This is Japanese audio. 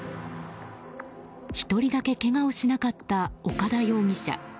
１人だけ、けがをしなかった岡田容疑者。